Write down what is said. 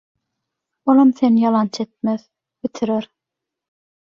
Olam seni ýalançy etmez – bitirer.